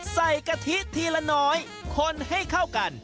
กะทิทีละน้อยคนให้เข้ากัน